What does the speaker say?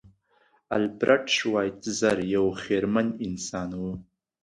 البرټ شوایتزر یو خیرمن انسان و.